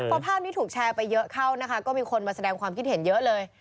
พอภาพนี้ถูกแชร์ไปเยอะเข้านะคะก็มีคนมาแสดงความคิดเห็นเยอะเลย